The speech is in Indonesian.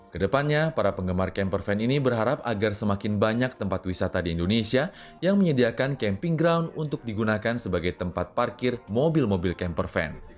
pada saat ini para penggemar campervan ini berharap agar semakin banyak tempat wisata di indonesia yang menyediakan camping ground untuk digunakan sebagai tempat parkir mobil mobil campervan